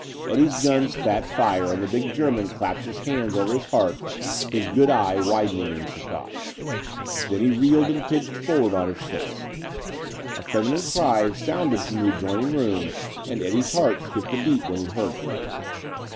Eddie's gun spat fire and the big German clapped his hands over his heart, his good eye widening in surprise. Then he reeled and pitched forward on his face. A feminine cry sounded from the adjoining room and Eddie's heart skipped a beat when he heard it.